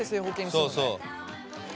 そうそう。